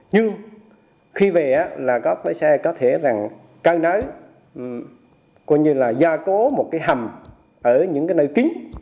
nhưng khi về góc lấy xe có thể cơ nới